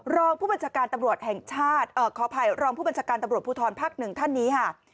รองผู้บัญชาการตำรวจแห่งชาติขออภัยรองผู้บัญชาการตำรวจภูทรภาคหนึ่งท่านนี้ค่ะ